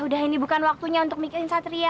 udah ini bukan waktunya untuk mikirin satria